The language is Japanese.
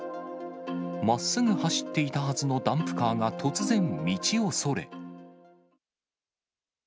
まっすぐ走っていたはずのダンプカーが突然、道をそれ。